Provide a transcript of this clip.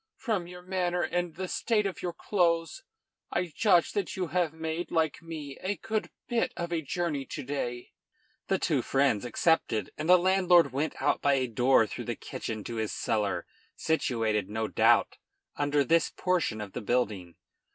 From your manner and the state of your clothes, I judge that you have made, like me, a good bit of a journey to day." The two friends accepted, and the landlord went out by a door through the kitchen to his cellar, situated, no doubt, under this portion of the building.